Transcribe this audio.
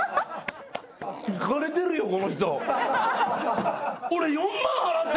いかれてるよこの人。